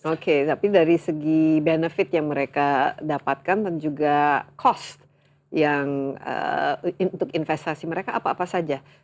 oke tapi dari segi benefit yang mereka dapatkan dan juga cost yang untuk investasi mereka apa apa saja